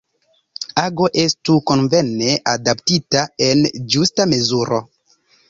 Ago estu konvene adaptita, en ĝusta mezuro.